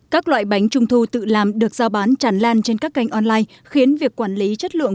các loại bánh trung thu tự làm được giao bán tràn lan trên các kênh online khiến việc quản lý chất lượng